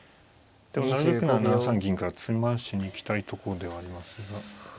でもなるべくなら７三銀から詰ましに行きたいとこではありますが。